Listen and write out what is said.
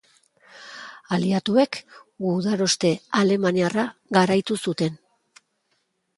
Aliatuek, gudaroste alemaniarra garaitu zuten.